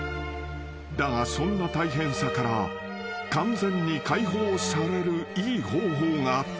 ［だがそんな大変さから完全に解放されるいい方法があった］